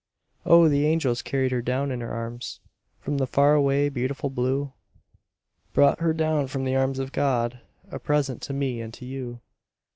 Oh! the angels carried her down in their arms From the far away, beautiful blue; Brought her down from the arms of God, A present to me and to you.